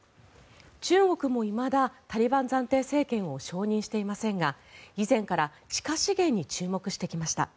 中国もいまだタリバン暫定政権を承認していませんが以前から地下資源に注目してきました。